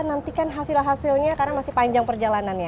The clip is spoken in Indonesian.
nantikan hasil hasilnya karena masih panjang perjalanannya